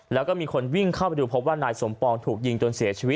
แล้วก็มีคนวิ่งเข้าไปดูพบว่านายสมปองถูกยิงจนเสียชีวิต